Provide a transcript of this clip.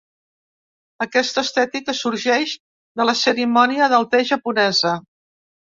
Aquesta estètica sorgeix de la cerimònia del te japonesa.